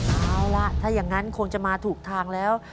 เอาล่ะถ้าอย่างนั้นคงจะมาถูกทางแล้ว